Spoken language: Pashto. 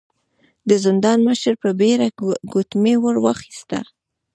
د زندان مشر په بيړه ګوتمۍ ور واخيسته.